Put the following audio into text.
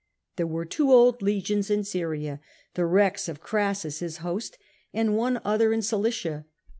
There were two old legions in Syria — the wrecks of Crassus' host — and one other in Cilicia.